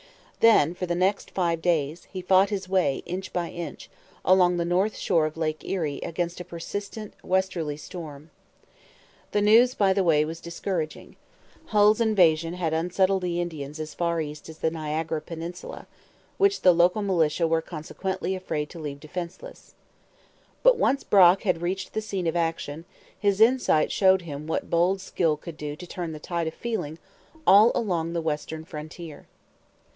Then, for the next five days, he fought his way, inch by inch, along the north shore of Lake Erie against a persistent westerly storm. The news by the way was discouraging. Hull's invasion had unsettled the Indians as far east as the Niagara peninsula, which the local militia were consequently afraid to leave defenceless. But once Brock reached the scene of action, his insight showed him what bold skill could do to turn the tide of feeling all along the western frontier.